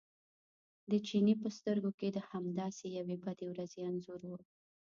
د چیني په سترګو کې د همداسې یوې بدې ورځې انځور و.